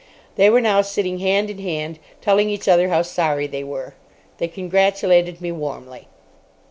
They were now sitting hand in hand telling each other how sorry they were. They congratulated me warmly.